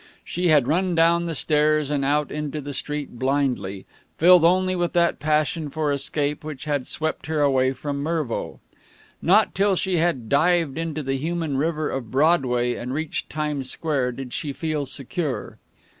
She had run down the stairs and out into the street blindly, filled only with that passion for escape which had swept her away from Mervo. Not till she had dived into the human river of Broadway and reached Times Square did she feel secure.